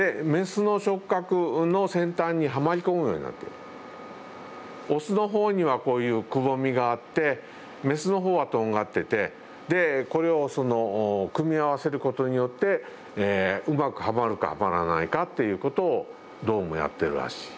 実はこれオスの方にはこういうくぼみがあってメスの方はとんがっててこれを組み合わせることによってうまくはまるかはまらないかっていうことをどうもやってるらしい。